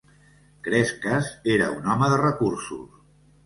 Crescas era un home de recursos.